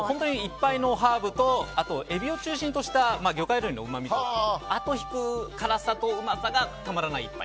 本当にいっぱいのハーブとエビを中心とした魚介類のうまみと後引く辛さとうまさがたまらない